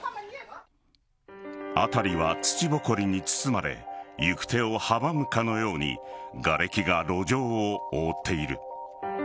辺りは土ぼこりに包まれ行く手を阻むかのようにがれきが路上を覆っている。